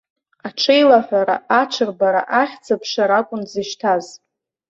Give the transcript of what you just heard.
Аҽеилаҳәара, аҽырбара, ахьӡ-аԥша ракәын дзышьҭаз.